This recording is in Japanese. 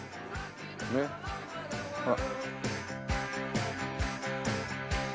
ねっほら。